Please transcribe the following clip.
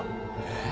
え？